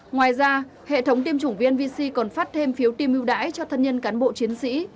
ngoài ra hệ thống tiêm chủng vnvc còn phát thêm phiếu tiêm ưu đãi cho thân nhân cán bộ chiến sĩ